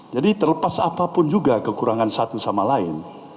terlepas apapun juga kekurangan satu sama lain